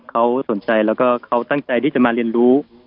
เขาสนใจและทั้งใจที่จะมาเรียนรู้